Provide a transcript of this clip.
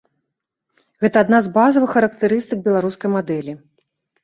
Гэта адна з базавых характарыстык беларускай мадэлі.